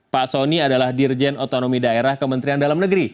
pak soni adalah dirjen otonomi daerah kementerian dalaman